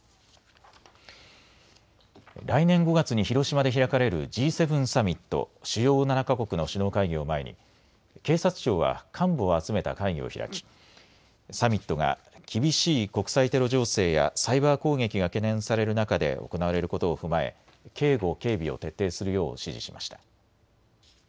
来年５月に広島で開かれるＧ７サミット・主要７か国の首脳会議を前に警察庁は幹部を集めた会議を開き、サミットが厳しい国際テロ情勢やサイバー攻撃が懸念される中で行われることを踏まえ警護・警備を徹底するよう指示しました。